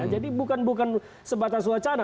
jadi bukan sebatas wacana